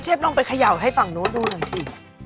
ลองไปเขย่าให้ฝั่งนู้นดูหน่อยสิ